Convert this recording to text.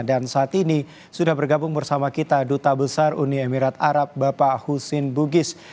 dan saat ini sudah bergabung bersama kita duta besar uni emirat arab bapak husin bugis